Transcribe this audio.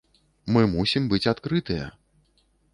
Мы мусім быць адкрытыя!